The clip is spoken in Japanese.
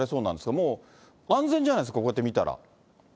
もう安全じゃないですか、こうやって見たら。